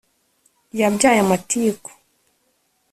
Yabyaye amatiku